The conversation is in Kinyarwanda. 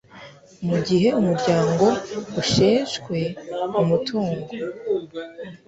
mu gihe umuryango usheshwe umutungo